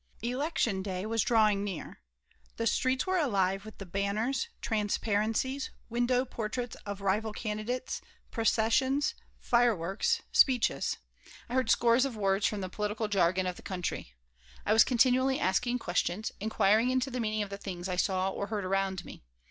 Election Day was drawing near. The streets were alive with the banners, transparencies, window portraits of rival candidates, processions, fireworks, speeches. I heard scores of words from the political jargon of the country. I was continually asking questions, inquiring into the meaning of the things I saw or heard around me.